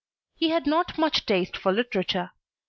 He had not much taste for literature.